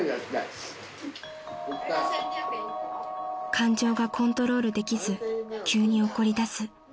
［感情がコントロールできず急に怒りだす］